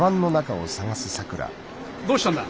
どうしたんだ？